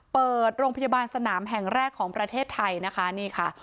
เปิดโรงพยาบาลสนามแห่งแรกของประเทศไทยนะคะนี่ค่ะ